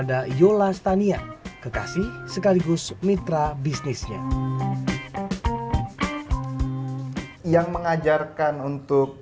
kalau gak aja harus belajar dulu